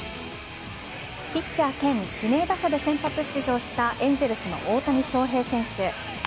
ピッチャー兼指名打者で先発出場したエンゼルスの大谷翔平選手。